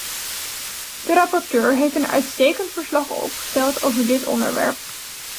De rapporteur heeft een uitstekend verslag opgesteld over dit onderwerp.